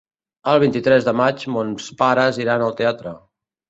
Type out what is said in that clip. El vint-i-tres de maig mons pares iran al teatre.